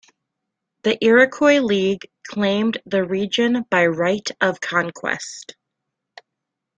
The Iroquois League claimed the region by right of conquest.